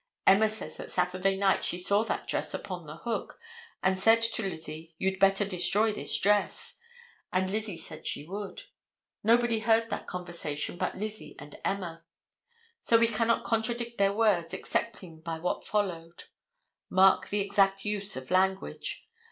Emma says that Saturday night she saw that dress upon the hook, and said to Lizzie "You'd better destroy this dress," and Lizzie said she would. Nobody heard that conversation but Lizzie and Emma. So we cannot contradict their words excepting by what followed. Mark the exact use of language.